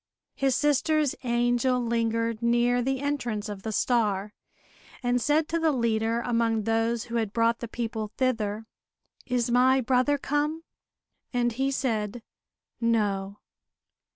His sister's angel lingered near the entrance of the star, and said to the leader among those who had brought the people thither: "Is my brother come?" And he said "No."